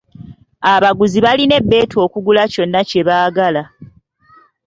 Abaguzi balina ebeetu okugula kyonna kye baagala.